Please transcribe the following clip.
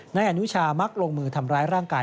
พอเรามีสัมมัติที่เค้าติดตัวและไป